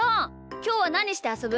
きょうはなにしてあそぶ？